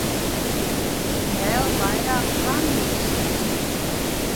Vēl vairāk blandīsies.